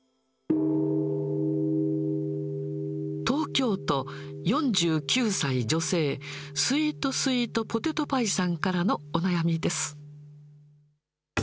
東京都、４９歳女性、スイートスイートポテトパイさんからのお悩みです。